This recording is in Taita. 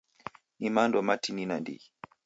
Ni mando matini nandighi.